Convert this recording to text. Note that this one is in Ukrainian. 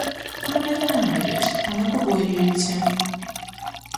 Мене ненавидять, але побоюються.